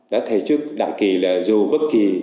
đã thể trước đảng kỳ là dù bất kỳ